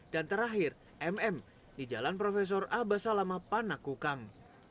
dan terakhir mm di jalan profesor abasalama panakukang